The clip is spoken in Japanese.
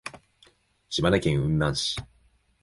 島根県雲南市